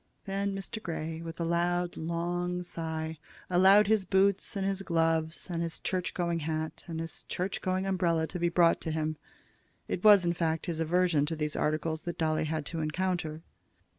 Then Mr. Grey, with a loud, long sigh, allowed his boots, and his gloves, and his church going hat, and his church going umbrella to be brought to him. It was, in fact, his aversion to these articles that Dolly had to encounter.